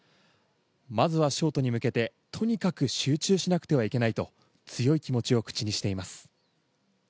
まずはショートに向け、とにかく集中しなければいけないと強い気持ちを口にしています。